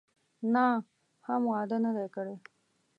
نه، هم واده نه دی کړی.